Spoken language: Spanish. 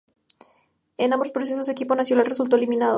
En ambos procesos, su equipo nacional resultó eliminado.